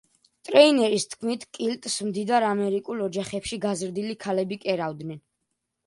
ტრეინერის თქმით, კილტს მდიდარ ამერიკულ ოჯახებში გაზრდილი ქალები კერავდნენ.